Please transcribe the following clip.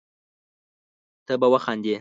ته به وخاندي